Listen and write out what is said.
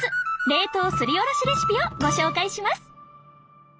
冷凍すりおろしレシピをご紹介します